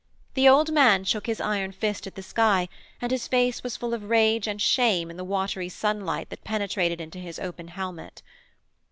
The old man shook his iron fist at the sky, and his face was full of rage and shame in the watery sunlight that penetrated into his open helmet.